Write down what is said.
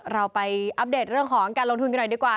เราไปอัปเดตเรื่องของการลงทุนกันหน่อยดีกว่า